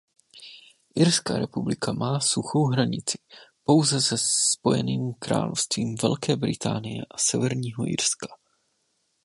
Irská republika má suchou hranici pouze se Spojeným královstvím Velké Británie a Severního Irska.